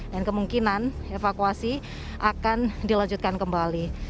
dan kemungkinan evakuasi akan dilanjutkan kembali